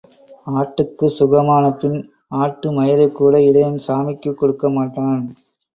ஆட்டுக்குச் சுகமானபின் ஆட்டுமயிரைக்கூட இடையன் சாமிக்குக் கொடுக்க மாட்டான்.